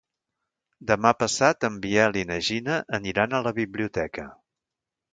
Demà passat en Biel i na Gina aniran a la biblioteca.